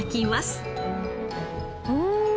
うん！